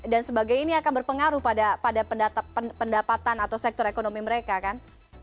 dan sebagainya ini akan berpengaruh pada pendapatan atau sektor ekonomi mereka kan